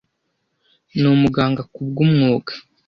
Ni umuganga kubwumwuga.